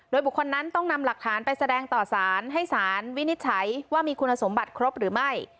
โดยบุคคลนั้นต้องนำหลักฐานไปแสดงต่อสารให้สารวินิจฉัยว่ามีคุณสมบัติครบหรือไม่